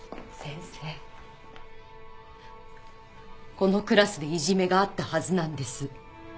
このクラスでいじめがあったはずなんです。